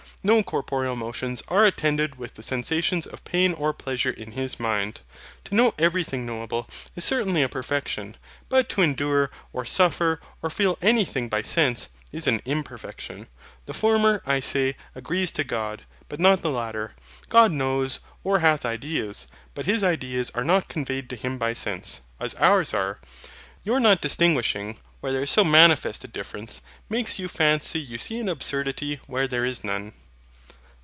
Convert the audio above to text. No corporeal motions are attended with the sensations of pain or pleasure in His mind. To know everything knowable, is certainly a perfection; but to endure, or suffer, or feel anything by sense, is an imperfection. The former, I say, agrees to God, but not the latter. God knows, or hath ideas; but His ideas are not conveyed to Him by sense, as ours are. Your not distinguishing, where there is so manifest a difference, makes you fancy you see an absurdity where there is none.